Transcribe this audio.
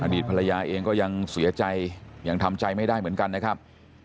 ดีตภรรยาเองก็ยังเสียใจยังทำใจไม่ได้เหมือนกันนะครับ